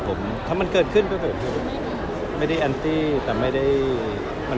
อยากถามว่าเกิดขึ้นมันมีผลจะเรียบร้อย